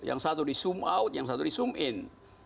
yang satu di zoom out yang satu di zoom in